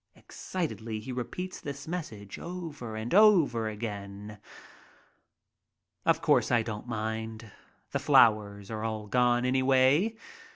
Excitedly he repeats his message over and over again. Of course I don't mind; the flowers are all gone, anyway.